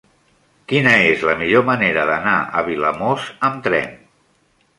Quina és la millor manera d'anar a Vilamòs amb tren?